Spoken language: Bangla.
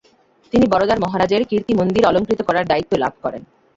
তিনি বরোদার মহারাজের কীর্তিমন্দির অলঙ্কৃত করার দায়িত্ব লাভ করেন।